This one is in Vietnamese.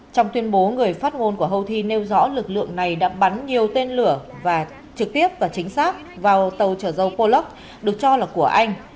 trong tuyên bố người phát ngôn của houthi nêu rõ lực lượng này đã bắn nhiều tên lửa trực tiếp và chính xác vào tàu trở dâu polux được cho là của anh